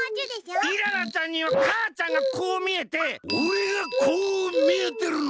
イララちゃんにはかあちゃんがこうみえておれがこうみえてるの？